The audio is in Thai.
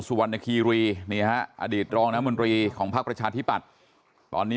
สุวรรณคีรีนี่ฮะอดีตรองน้ำมนตรีของพักประชาธิปัตย์ตอนนี้